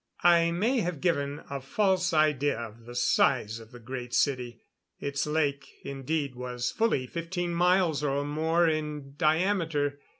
I may have given a false idea of the size of the Great City. Its lake, indeed, was fully fifteen miles or more in diameter.